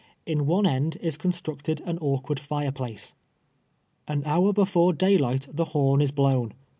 In one end is constructed an awkward fire place. An hour before day liglit the horn is blown.